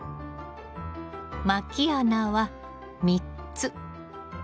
まき穴は３つ。